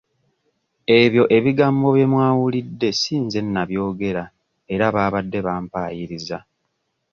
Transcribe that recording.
Ebyo ebigambo bye mwawulidde si nze nnabyogera era baabadde bampaayiriza.